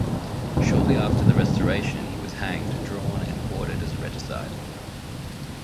Shortly after the Restoration he was hanged, drawn and quartered as a regicide.